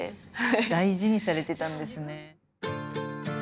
大事にされてたんですね。